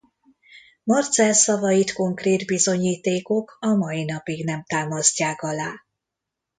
Marcel szavait konkrét bizonyítékok a mai napig nem támasztják alá.